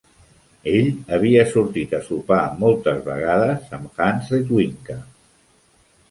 Ell havia sortit a sopar moltes vegades amb Hans Ledwinka.